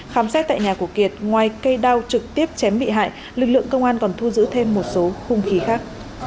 khám xét tại nhà của kiệt ngoài cây đao trực tiếp chém bị hại lực lượng công an còn thu giữ thêm một số khung khí khác